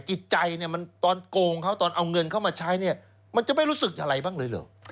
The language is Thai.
จิตใจตอนโกงเขาตอนเอาเงินเขามาใช้มันจะไม่รู้สึกอะไรบ้างเลยหรือ